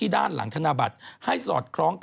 ด้านหลังธนบัตรให้สอดครอง